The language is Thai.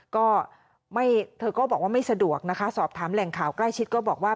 ก็ไม่เธอก็บอกว่าไม่สะดวกนะคะสอบถามแหล่งข่าวใกล้ชิดก็บอกว่า